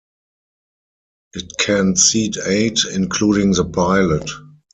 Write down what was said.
It can seat eight, including the pilot.